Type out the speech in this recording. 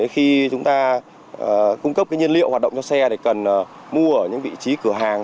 khi chúng ta cung cấp nhiên liệu hoạt động cho xe thì cần mua ở những vị trí cửa hàng